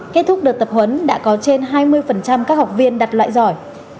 kết thúc đợt tập huấn đã có trên hai mươi các học viên đặt loại giỏi